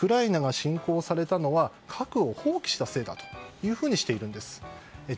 つまりウクライナが侵攻されたのは核を放棄したせいだとしているんです。